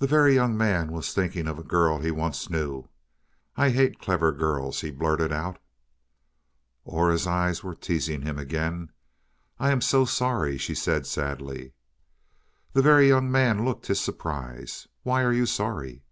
The Very Young Man was thinking of a girl he once knew. "I hate clever girls," he blurted out. Aura's eyes were teasing him again. "I am so sorry," she said sadly. The Very Young Man looked his surprise. "Why are you sorry?"